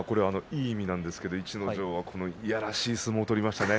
いい意味なんですが逸ノ城は嫌らしい相撲を取りましたね。